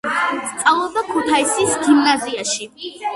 სწავლობდა ქუთაისის გიმნაზიაში.